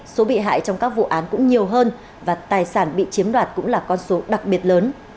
số bị hại trong các vụ án cũng nhiều hơn và tài sản bị chiếm đoạt cũng là con số đặc biệt lớn